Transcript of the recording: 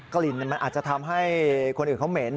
กลิ่นมันอาจจะทำให้คนอื่นเขาเหม็น